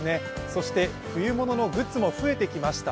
そして冬物のグッズも増えてきました。